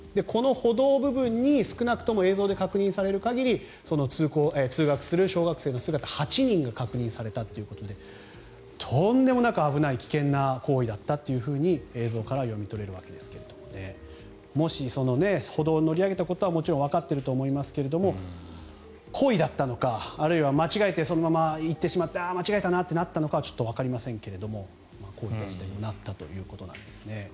この歩道部分に少なくとも映像で確認される限り下校する小学生８人が確認されたということでとんでもなく危ない危険な行為だったというふうに映像から読み取れるわけですがもし、歩道に乗り上げたことはもちろんわかっているとは思いますけども故意だったのか、あるいは間違えてそのまま行ってしまってああ、間違えたなってなったのかはよくわかりませんがこういう事態になったということなんですね。